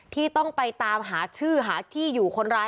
ที่ต้องไปตามหาชื่อหาที่อยู่คนร้าย